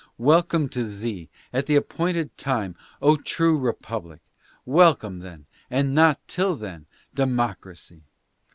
Welcome to thee, at the appointed time, O true republic ! Welcome then, and not till then, democ racy